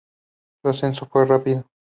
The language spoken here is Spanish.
Su ascenso fue rápido.